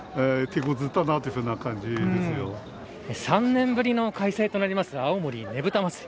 ３年ぶりの開催となります青森ねぶた祭。